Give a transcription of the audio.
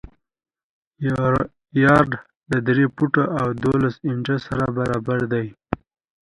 یو یارډ له درې فوټو او دولس انچو سره برابر دی.